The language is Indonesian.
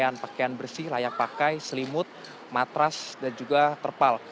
pakaian pakaian bersih layak pakai selimut matras dan juga terpal